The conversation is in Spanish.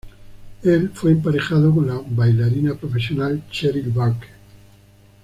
El fue emparejado con la bailarina profesional Cheryl Burke.